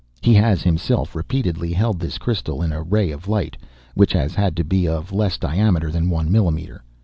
He has himself repeatedly held this crystal in a ray of light (which had to be of a less diameter than one millimetre).